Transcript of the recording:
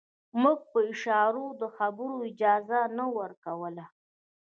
موږ په اشارو د خبرو اجازه نه ورکوله.